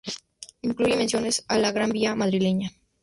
Incluye menciones a la Gran Vía madrileña.